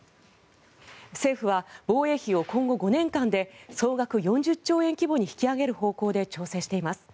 政府は防衛費を今後５年間で総額４０兆円規模に引き上げる方向で調整しています。